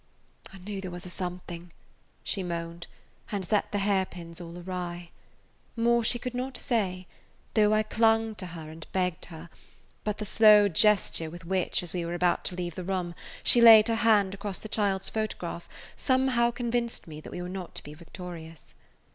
"I knew there was a something," she moaned, and set the hair pins all awry. More she could not say, though I clung to her and begged her; but the slow gesture with which, as we were about to leave the room, she laid her hand across the child's photograph somehow convinced me that we were not to be victorious.